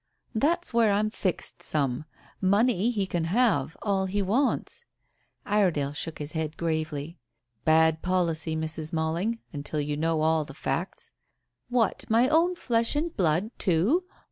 "That's where I'm fixed some. Money he can have all he wants." Iredale shook his head gravely. "Bad policy, Mrs. Malling until you know all the facts." "What, my own flesh and blood, too?